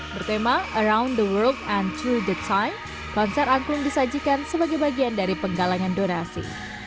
bertema around the world and two the time konser angklung disajikan sebagai bagian dari penggalangan donasi